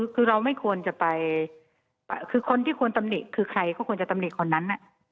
คือเราไม่ควรจะไปคือคนที่ควรตำหนิคือใครเขาควรจะตำหนิคนนั้น